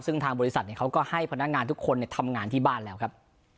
ซึ่งทางบริษัทเขาก็ให้พนักงานทุกคนทำงานที่บ้านแล้วครับ